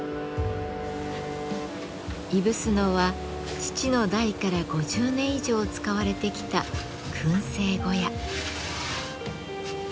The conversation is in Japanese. いぶすのは父の代から５０年以上使われてきた燻製小屋。